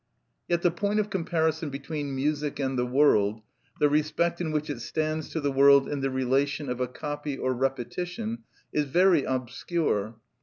Yet the point of comparison between music and the world, the respect in which it stands to the world in the relation of a copy or repetition, is very obscure.